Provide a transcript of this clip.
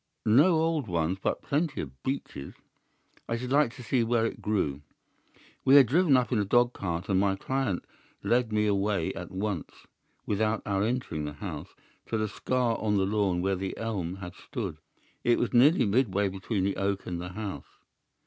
"'No old ones, but plenty of beeches.' "'I should like to see where it grew.' "We had driven up in a dog cart, and my client led me away at once, without our entering the house, to the scar on the lawn where the elm had stood. It was nearly midway between the oak and the house.